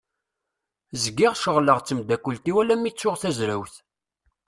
Zgiɣ ceɣleɣ d temddakelt-iw alammi i ttuɣ tazrawt.